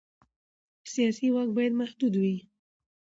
سیاسي واک باید محدود وي